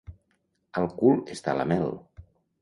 Al cul està la mel.